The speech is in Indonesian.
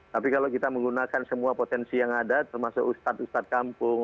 tapi kalau kita menggunakan semua potensi yang ada termasuk ustadz ustadz kampung